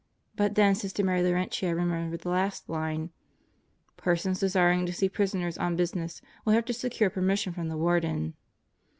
But then Sister Mary Laurentia remembered the last line: "Persons desiring to see prisoners on business will have to secure per mission from the Warden."